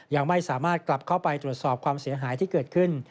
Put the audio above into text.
ยังไม่สามารถกลับเข้าไปตรวจสอบความเสียหายที่เกิดขึ้น